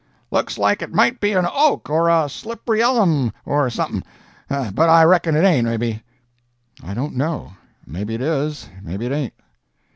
"Looks like it might be an oak, or a slippry ellum, or something, but I reckon it ain't, maybe?" "I don't know. Maybe it is, maybe it ain't."